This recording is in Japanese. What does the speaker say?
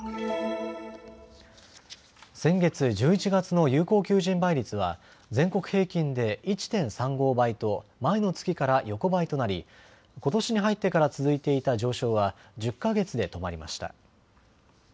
先月１１月の有効求人倍率は全国平均で１．３５倍と前の月から横ばいとなりことしに入ってから続いていた上昇は１０か月で止まりました。